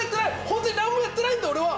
本当に何もやってないんだ俺は。